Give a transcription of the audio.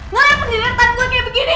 mau nyelidik gue kaya begini